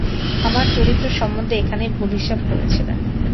আমার চরিত্র সম্বন্ধে এইখানে ভুল হিসেব করেছিলেন।